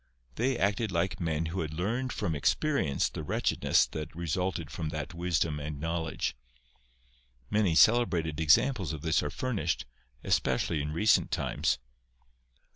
They acted like men who had learnt from experience the wretched ness that resulted from wisdom and knowledge. Many celebrated examples of this are furnished, especially in recent times.